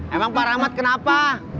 emang parah mat kenapa